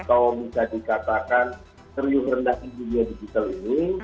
atau bisa dikatakan serius rendahkan dunia digital ini